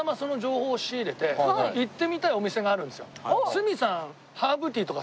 鷲見さん。